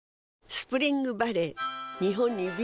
スプリングバレー